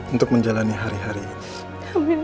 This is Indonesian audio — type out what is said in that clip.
untuk menjalani hari hari ini